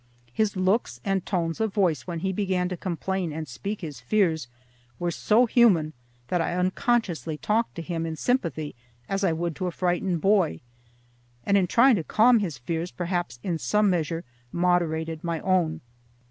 His looks and tones of voice when he began to complain and speak his fears were so human that I unconsciously talked to him in sympathy as I would to a frightened boy, and in trying to calm his fears perhaps in some measure moderated my own.